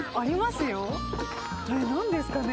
あれ何ですかね？